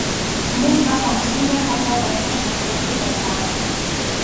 Хүмүүс бас алсын зайн холбоог ойлгох чадваргүй байлаа.